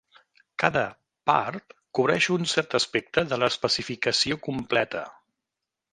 Cada "part" cobreix un cert aspecte de l'especificació completa.